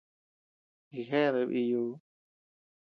Jijea deabea iiyuu.